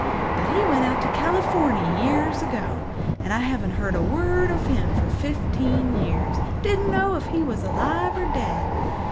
But he went out to Californy years ago, and I haven't heard a word of him for fifteen years—didn't know if he was alive or dead.